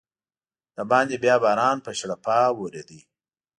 دباندې بیا باران په شړپا ورېده.